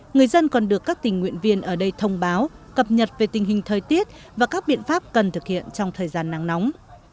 người dân còn được các tình nguyện viên ở đây thông báo cập nhật về tình hình thời tiết và các biện pháp cần thực hiện trong thời gian nắng nóng